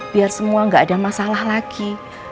biar semua nggak ada masalah lagi